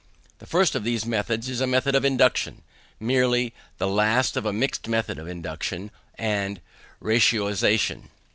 The first of these methods is a method of induction, merely; the last a mixed method of induction and ratiocination.